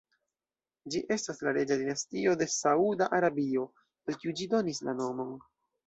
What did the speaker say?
Ĝi estas la reĝa dinastio de Sauda Arabio, al kiu ĝi donis la nomon.